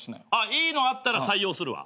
いいのあったら採用するわ。